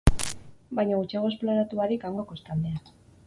Baino gutxiago esploratu barik hango kostaldean.